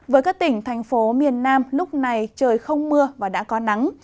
với các tỉnh thành phố miền nam lúc này trời không mưa và đã có nắng